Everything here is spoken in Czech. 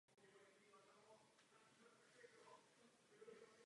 Všechny listy jsou po obvodě celistvé a mírně kožovité.